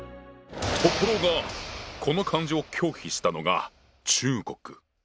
この漢字を拒否したのが中国！